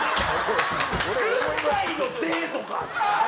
軍隊のデートか！